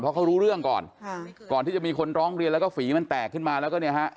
เพราะเขารู้เรื่องก่อนค่ะก่อนที่จะมีคนร้องเรียนแล้วก็ฝีมันแตกขึ้นมาแล้วก็เนี่ยฮะ